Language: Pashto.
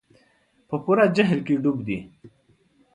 په پوره جهل کې ډوب دي.